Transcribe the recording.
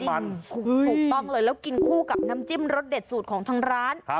ถูกต้องเลยแล้วกินคู่กับน้ำจิ้มรสเด็ดสูตรของทางร้าน